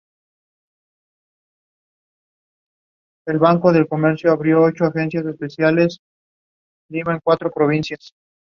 Too was injured and she could not make the Olympic trials.